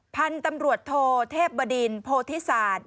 พันธุ์ตำรวจโทเทพบดินโพธิศาสตร์